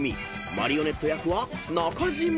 マリオネット役は中島］